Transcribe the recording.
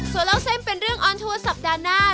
ส่วนเล่าเส้นเป็นเรื่องออนทัวร์สัปดาห์หน้า